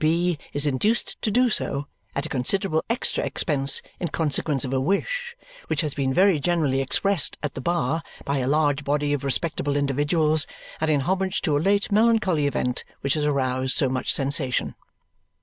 G. B. is induced to do so at a considerable extra expense in consequence of a wish which has been very generally expressed at the bar by a large body of respectable individuals and in homage to a late melancholy event which has aroused so much sensation."